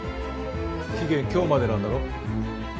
期限今日までなんだろ。